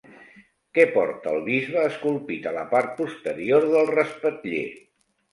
Què porta el bisbe esculpit a la part posterior del respatller?